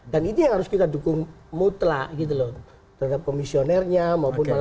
dan itu yang harus kita dukung mutlak terhadap komisionernya maupun penyidiknya